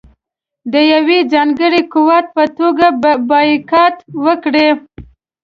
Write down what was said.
د یوه ځانګړي قوت په توګه بایکاټ وکړي.